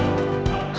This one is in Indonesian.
saya mau berpikir